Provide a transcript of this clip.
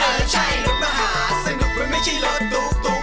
เออใช่รถมหาสนุกมันไม่ใช่รถตุ๊ก